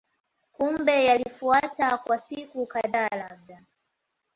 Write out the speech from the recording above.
Kumbe yalifuata kwa siku kadhaa labda